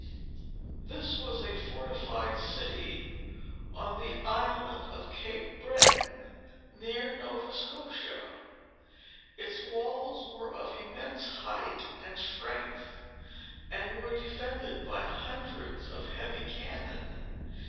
This was a fortified city, on the Island of Cape Breton, near Nova Scotia. Its walls were of immense height and strength, and were defended by hundreds of heavy cannon.